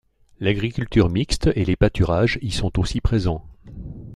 L'agriculture mixte et les pâturages y sont aussi présents.